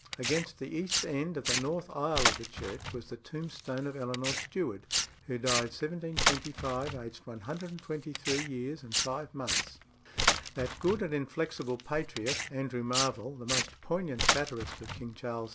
Against the east end of the north aisle of the church was the tombstone of Eleanor Steward, who died 1725, aged 123 years and five months. That good and inflexible patriot, Andrew Marvell, the most poignant satirist of King Charles II.